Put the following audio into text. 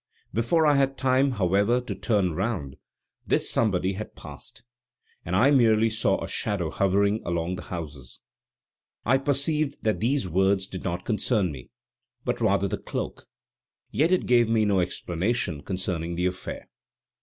Before I had time, however, to turn round, this somebody had passed, and I merely saw a shadow hovering along the houses. I perceived that these words did not concern me, but rather the cloak, yet it gave me no explanation concerning the affair.